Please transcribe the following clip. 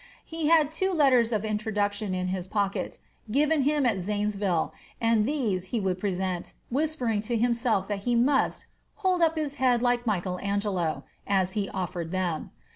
He had two letters of introduction in his pocket, given him at Zanesville, and these he would present, whispering to himself that he must "hold up his head like Michael Angelo" as he offered them.